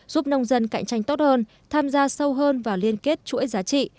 giúp nông dân cạnh tranh tốt hơn tham gia sâu hơn vào liên kết chuỗi giá trị